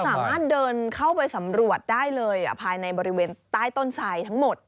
สามารถเดินเข้าไปสำรวจได้เลยภายในบริเวณใต้ต้นไททั้งหมด